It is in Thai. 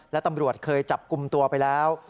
และตำรวจเคยจับกลุ่มตัวไปแล้ว